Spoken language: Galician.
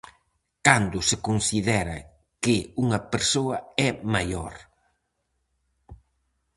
Cando se considera que unha persoa é maior?